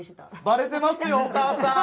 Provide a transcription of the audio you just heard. バレてますよお母さん。